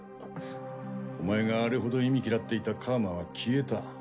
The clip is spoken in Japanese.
お前があれほど忌み嫌っていた楔は消えた。